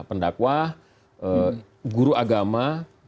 pendakwah guru agama